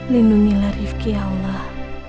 lindunilah rifki allah